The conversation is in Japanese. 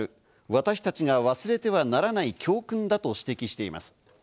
私たちが忘れてはならない教訓だと指摘しています。